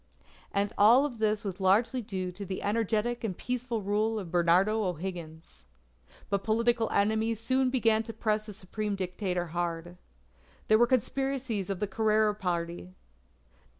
And all this was largely due to the energetic and peaceful rule of Bernardo O'Higgins. But political enemies soon began to press the Supreme Dictator hard. There were conspiracies of the Carrera party.